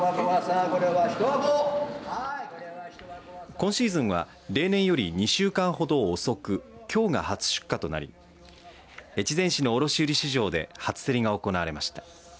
今シーズンは例年より２週間ほど遅くきょうが初出荷となり越前市の卸売市場で初競りが行われました。